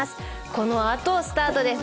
この後スタートです